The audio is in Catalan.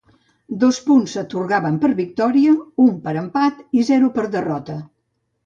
Dos punts s'atorgaven per victòria, un per empat i zero per derrota.